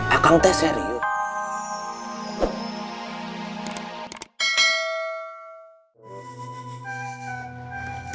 akang teh serius